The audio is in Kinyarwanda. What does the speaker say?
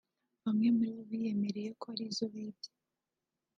bamwe muri bo biyemerera ko ari izo bibye